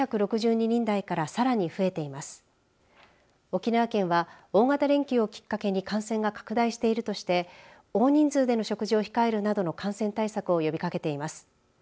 沖縄県は大型連休をきっかけに感染が拡大しているとして大人数での食事を控えるなどの感染対策を呼びかけています。